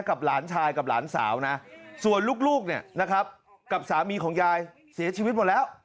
กับหลานชายกับหลานสาวนะส่วนลูกกับสามีของยายเสียชีวิตหมดแล้ว